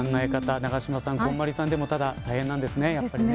永島さん、こんまりさんでも大変なんですね。